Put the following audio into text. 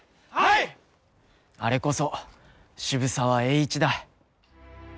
あれこそ渋沢栄一だ。